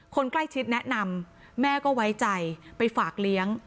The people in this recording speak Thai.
คนใกล้ชิดแนะนำแม่ก็ไว้ใจไปฝากเลี้ยง